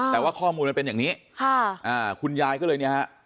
แต่ว่าข้อมูลมันเป็นอย่างนี้ค่ะอ่าคุณยายก็เลยเนี่ยฮะ